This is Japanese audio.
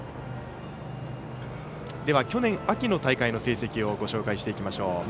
では、去年秋の成績をご紹介していきましょう。